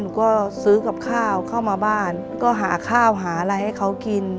ก็ซื้อกับข้าวเข้ามาบ้านก็หาข้าวหาอะไรให้เขากิน